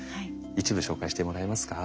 一部紹介してもらえますか。